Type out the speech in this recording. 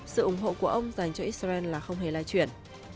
sự ủng hộ của ông dành cho israel là không hề lai chuyện